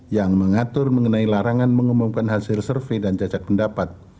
yang mengatur mengenai larangan mengumumkan hasil survei dan cacat pendapat